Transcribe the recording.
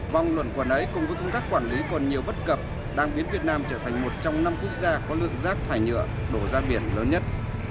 vòng luận quẩn ấy cùng với công tác quản lý còn nhiều bất cập đang biến việt nam trở thành một trong năm quốc gia có lượng rác thải nhựa đổ ra biển lớn nhất